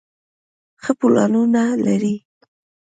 ښۀ پلانونه لري